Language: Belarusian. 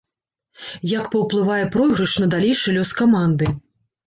Як паўплывае пройгрыш на далейшы лёс каманды.